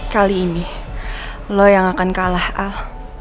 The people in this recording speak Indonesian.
kali ini lo yang akan kalah al